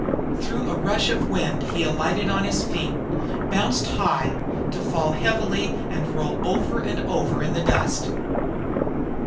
Through a rush of wind he alighted on his feet, bounced high, to fall heavily and roll over and over in the dust.